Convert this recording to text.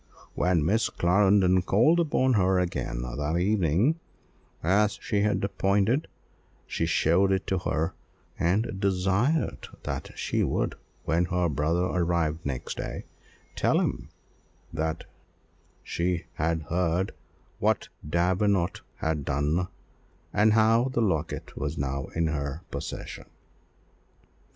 When Miss Clarendon called upon her again that evening as she had appointed, she showed it to her, and desired that she would, when her brother arrived next day, tell him what she had heard, what Lady Davenant had done, and how the locket was now in her possession.